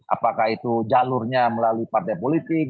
apakah itu jalurnya melalui partai politik